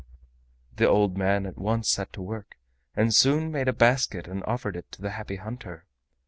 The old man at once set to work, and soon made a basket and offered it to the Happy Hunter.